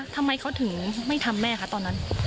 ทำไมเขาถึงไม่ทำแม่คะตอนนั้น